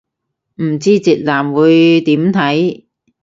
唔知直男會點睇